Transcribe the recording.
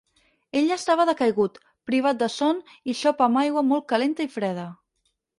Ell estava decaigut, privat de son i xop amb aigua molt calenta i freda.